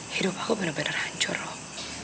hidup aku bener bener hancur rob